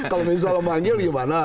kalau misalnya manggil gimana